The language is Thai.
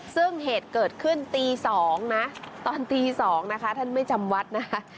ซึ่งเหตุเกิดขึ้นตี๒นะตอนตี๒นะคะท่านไม่จำวัดนะ